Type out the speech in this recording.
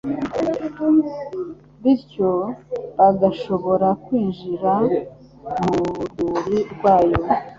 bityo bagashobora kwinjira mu rwuri rwayo.